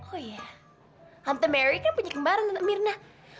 oh ya tante mary kan punya kembaran tante myrna